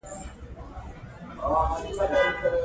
لومړی شی د کلیماتو په تشکیل کښي اشتقاق دئ.